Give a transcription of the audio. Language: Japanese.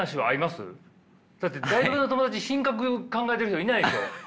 だって大学の友達品格考えてる人いないでしょ？